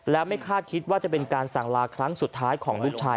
และไม่คาดคิดว่าจะเป็นการสั่งลาครั้งสุดท้ายของลูกชาย